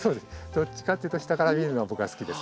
どっちかというと下から見るのが僕は好きです。